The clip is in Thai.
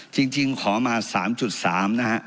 จริงขอมา๓๓นะฮะ